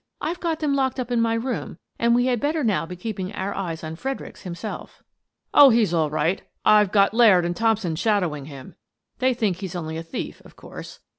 " I've got them locked up in my room and we had better now be keeping our eyes on Fredericks himself." " Oh, he's all right! I've got Laird and Thomp son shadowing him. They think he's only a thief, of course."